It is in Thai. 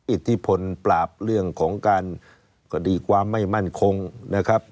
อิทธิพลปราบเรื่องของการคดีความไม่มั่นคงนะครับ